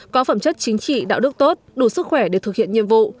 có phẩm chất chính trị đạo đức tốt đủ sức khỏe để thực hiện nhiệm vụ